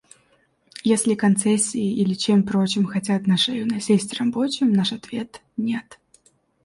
Если концессией или чем прочим хотят на шею насесть рабочим, — наш ответ: нет!